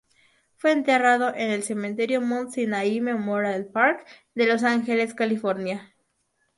Fue enterrado en el Cementerio Mount Sinai Memorial Park de Los Ángeles, California.